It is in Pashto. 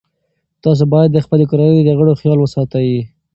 تاسو باید د خپلې کورنۍ د غړو خیال وساتئ.